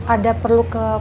ada perlu ke